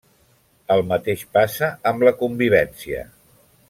El mateix passa amb la convivència.